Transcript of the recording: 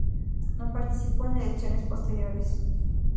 No participó en elecciones posteriores.